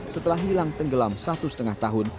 setelah hilang tenggelam satu setengah tahun